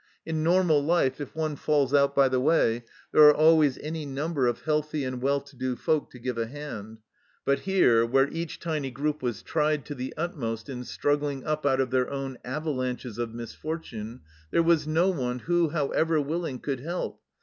In normal life if one falls out by the way there are always any number of healthy and well to do folk to give a hand ; but here, where each tiny group was tried to the utmost in struggling up out of their own avalanches of misfortune, there was no one who, however willing, could help.